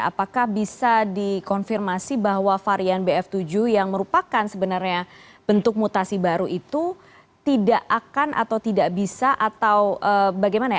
apakah bisa dikonfirmasi bahwa varian bf tujuh yang merupakan sebenarnya bentuk mutasi baru itu tidak akan atau tidak bisa atau bagaimana ya